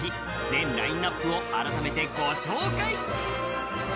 全ラインナップを改めてご紹介！